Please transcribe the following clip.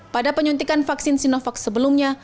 pada penyuntikan vaksin sinovac sebelumnya